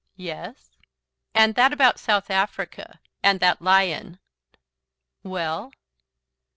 "Yes?" "And that about South Africa and that lion." "Well?"